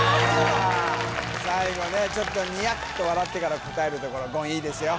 最後ねちょっとニヤッと笑ってから答えるところ言いいですよ